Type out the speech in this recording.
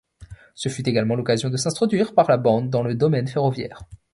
Ce fut également l'occasion de s'introduire par la bande dans le domaine ferroviaire.